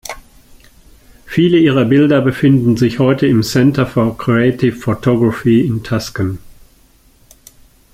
Viele ihrer Bilder befinden sich heute im Center for Creative Photography in Tucson.